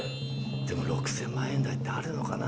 でも６０００万円台ってあるのかな？